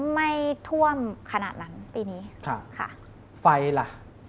ไม่ท่วมขนาดนั้นปีนี้ครับค่ะไฟล่ะ